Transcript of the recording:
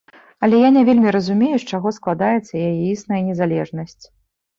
Але я не вельмі разумею, з чаго складаецца яе існая незалежнасць.